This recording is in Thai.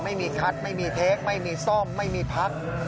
ไม่มีคัดไม่มีเทคไม่มีซ่อมไม่มีพัก